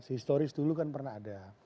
historis dulu kan pernah ada